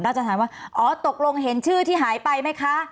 จะถามว่าอ๋อตกลงเห็นชื่อที่หายไปไหมคะ